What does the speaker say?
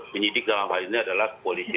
penyidik dalam hal ini adalah polisi